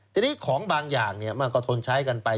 ทีนี้ของบางอย่างมันก็ทนใช้กันไป